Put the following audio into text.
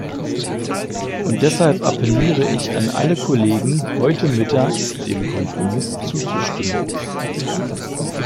Und deshalb appelliere ich an alle Kollegen, heute Mittag dem Kompromiss zuzustimmen.